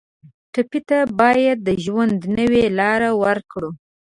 ټپي ته باید د ژوند نوې لاره ورکړو.